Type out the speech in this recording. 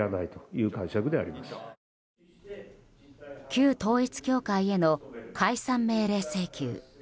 旧統一教会への解散命令請求。